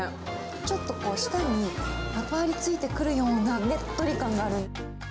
ちょっとこう、舌にまとわりついてくるようなねっとり感がある。